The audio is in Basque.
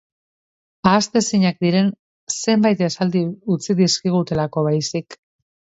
Ahaztezinak diren zenbait esaldi utzi dizkigutelako baizik.